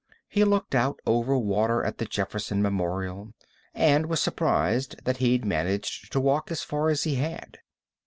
He looked out over water at the Jefferson Memorial, and was surprised that he'd managed to walk as far as he had.